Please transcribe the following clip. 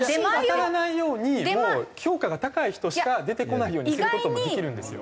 当たらないように評価が高い人しか出てこないようにする事もできるんですよ。